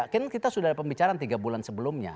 kan kita sudah ada pembicaraan tiga bulan sebelumnya